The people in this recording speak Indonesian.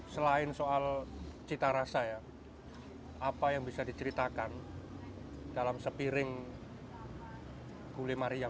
selain soal cita rasa ya apa yang bisa diceritakan dalam sepiring gulai mariam